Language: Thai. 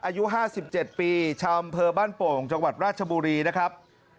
อายุ๕๗ปีชาวอำเภอบ้านโป่งจังหวัดราชบุรีนะครับ